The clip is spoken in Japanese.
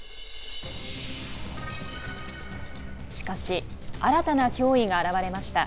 しかし、新たな脅威が現れました。